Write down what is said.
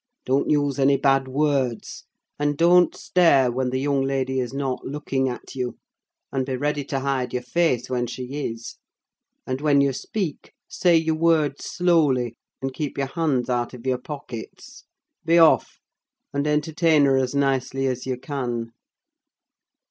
Don't use any bad words; and don't stare when the young lady is not looking at you, and be ready to hide your face when she is; and, when you speak, say your words slowly, and keep your hands out of your pockets. Be off, and entertain her as nicely as you can."